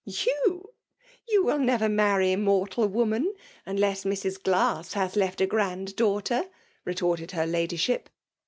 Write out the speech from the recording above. "You? — You will never maiTy mortal woman, unless Mrs. Glasse has left a grand daugh ,terr' retorted her Ladyship.